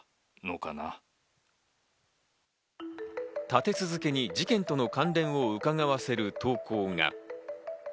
立て続けに事件との関連をうかがわせる投稿が。